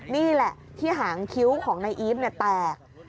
นี่แหละที่หางคิ้วของนายอีฟแตก